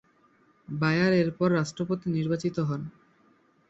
Buyer এরপর রাষ্ট্রপতি নির্বাচিত হন।